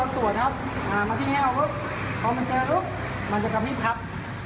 สัญญาณแห่งพอเริ่มตรวจครับพอมันจะจำหินครับ